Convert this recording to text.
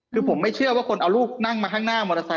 คือผมไม่เชื่อว่าคนเอาลูกนั่งมาข้างหน้ามอเตอร์ไซค